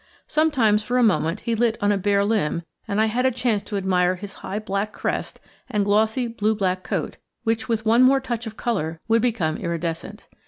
Sometimes for a moment he lit on a bare limb and I had a chance to admire his high black crest and glossy blue black coat, which with one more touch of color would become iridescent.